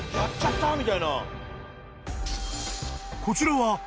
［こちらは］